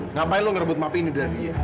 ngapain lo ngerebut map ini dari dia